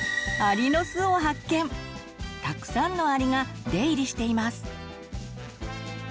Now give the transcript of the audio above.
たくさんのアリが出入りしています。